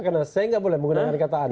karena saya tidak boleh menggunakan kata aneh